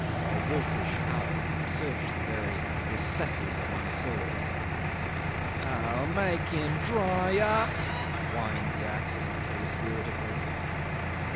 . A wolfish howl searched the very recesses of my soul. "Oh! make 'im dry up," whined the accident case irritably.